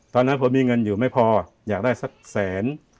ตอนนั้นผมมีเงินอยู่ไม่พออยากได้สักแสน